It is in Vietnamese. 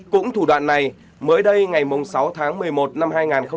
cũng thủ đoạn này mới đây ngày sáu tháng một mươi một năm hai nghìn hai mươi ba